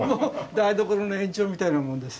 台所の延長みたいなもんです。